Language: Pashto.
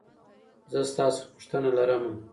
زه ستا څخه پوښتنه لرمه .